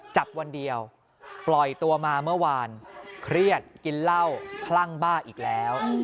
จับวันเดียวปล่อยตัวมาเมื่อวานเครียดกินเหล้าคลั่งบ้าอีกแล้ว